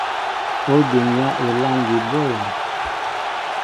Ó diŋyá elâŋgi bwɛ̂m ?